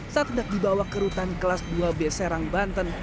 saat tidak dibawa ke rutan kelas dua b serang banten